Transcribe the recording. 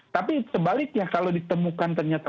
tapi sebaliknya kalau ditemukan ternyata